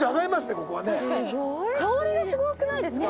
ここは香りがすごくないですか？